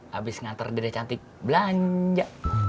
habis ngantar gede cantik belanja